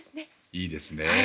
いいですね。